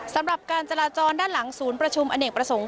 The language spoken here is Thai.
สำหรับการจราจรด้านหลังศูนย์ประชุมอเนกประสงค์